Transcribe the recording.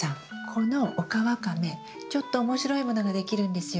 このオカワカメちょっと面白いものができるんですよ。